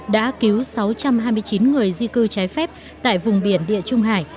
đã cứu sáu trăm hai mươi chín người di cư trái phép tại vùng biển địa trung hải